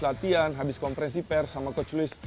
habis latihan habis kompresi pers sama coach luis